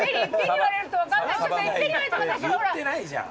言ってないじゃん。